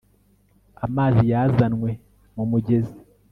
Amazi yazanywe mu mugezi